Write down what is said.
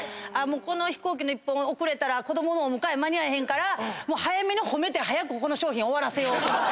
この飛行機の１本遅れたら子供のお迎え間に合わへんから早めに褒めて早くこの商品終わらせようとか。